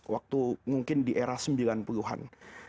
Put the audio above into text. waktu mungkin di era sembilan puluh an